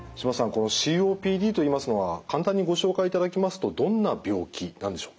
このＣＯＰＤといいますのは簡単にご紹介いただきますとどんな病気なんでしょうか？